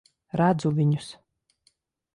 Redzu viņus.